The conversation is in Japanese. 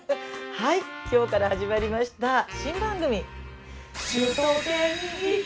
はい今日から始まりました新番組。